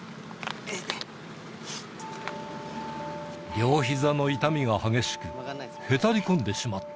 両ひざの痛みが激しく、へたり込んでしまった。